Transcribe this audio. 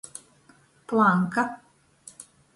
Planka.